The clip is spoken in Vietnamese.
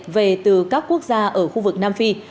về từ các quốc gia ở khu vực nam phi